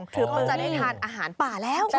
ก็จะได้ทานอาหารป่าแล้วค่ะ